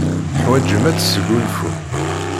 Teḥwajem ad tesgunfum.